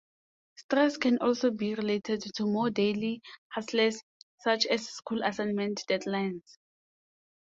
Stresses can also be related to more daily hassles such as school assignment deadlines.